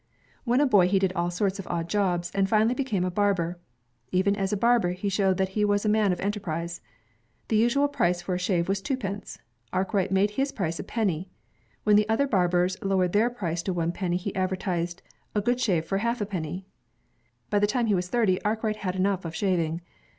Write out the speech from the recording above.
When a boy, he did all sorts of odd jobs, and finally became a barber. Even as a barber, he showed that he was a man of enterprise. The usual price for a shave was two pence. Arkwright made his price a penny. When the other barbers lowered their price to one penny, he advertised ''a good shave for a half penny." By the time he was thirty, Arkwright had enough of shaving.